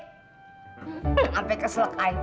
sampai keselak ay